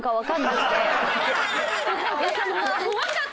怖かった。